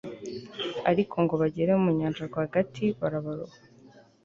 ariko ngo bagere mu nyanja rwagati, barabaroha